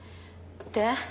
で？